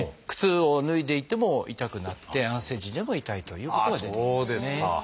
靴を脱いでいても痛くなって安静時でも痛いということが出てきますね。